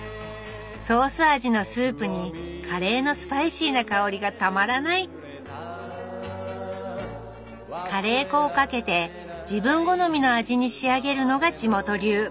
ソース味のスープにカレーのスパイシーな香りがたまらないカレー粉をかけて自分好みの味に仕上げるのが地元流。